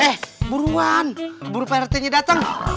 eh buruan buru perhatinya dateng